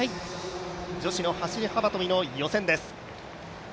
女子の走り幅跳びの予選です。